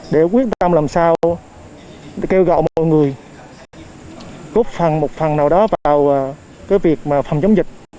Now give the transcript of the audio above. để quyết tâm làm sao kêu gọi mọi người cốt phần một phần nào đó vào cái việc mà phòng chống dịch